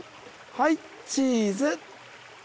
はいチーズ